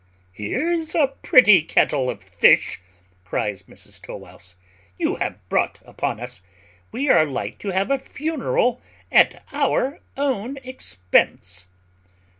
"Here's a pretty kettle of fish," cries Mrs Tow wouse, "you have brought upon us! We are like to have a funeral at our own expense."